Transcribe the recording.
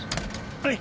はい！